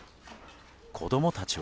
子供たちは。